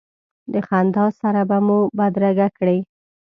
د خندا سره به مو بدرګه کړې.